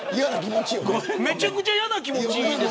めちゃくちゃ嫌な気持ち。